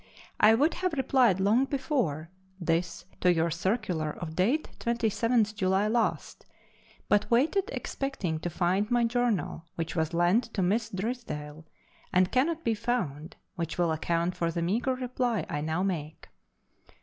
I would have replied long before this to your circular of date 27th July last, but waited expecting to find my journal, which was lent to Miss Drysdale and cannot be found, which will account for the meagre reply I now make.